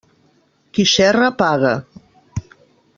Qui xerra paga.